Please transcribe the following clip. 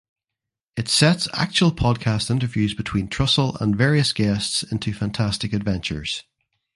It sets actual podcast interviews between Trussell and various guests into fantastic adventures.